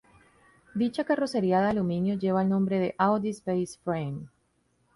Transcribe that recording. Dicha carrocería de aluminio lleva el nombre de "Audi Space Frame".